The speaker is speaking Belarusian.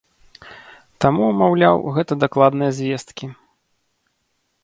Таму, маўляў, гэта дакладныя звесткі.